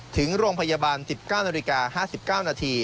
ถึงโรงพยาบาล๑๙น๕๙น